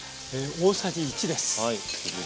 大さじ１です。